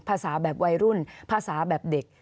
ภาษาแบบวัยรุ่นภาษาแบบเด็ก